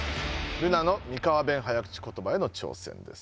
ルナの三河弁早口ことばへの挑戦です。